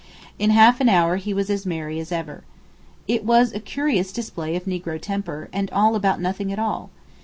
In half an hour he was as merry as ever. It was a curious display of negro temper, and all about nothing at all.